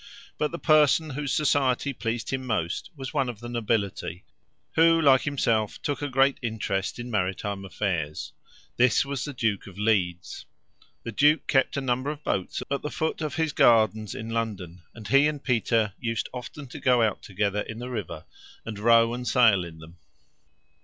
But the person whose society pleased him most was one of the nobility, who, like himself, tools: a great interest in maritime affairs. This was the Duke of Leeds. The duke kept a number of boats at the foot of his gardens in London, and he and Peter used often to go out together in the river, and row and sail in them.